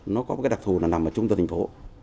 nó có một cái đặc thù là nằm ở trung tâm thành phố